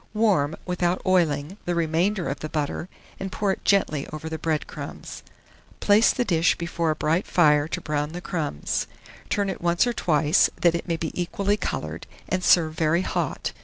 Warm, without oiling, the remainder of the butter, and pour it gently over the bread crumbs. Place the dish before a bright fire to brown the crumbs; turn it once or twice, that it may be equally coloured, and serve very hot.